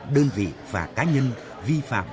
đơn vị và cá nhân vi phạm